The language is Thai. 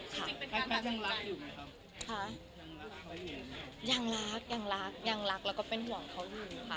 แพทย์ยังรักอยู่ไหมคะยังรักแล้วก็เป็นห่วงเขาอยู่ค่ะ